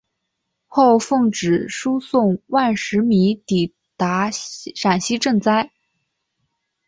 后奉旨输送万石米抵达陕西赈灾。